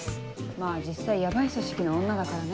まぁ実際ヤバい組織の女だからね。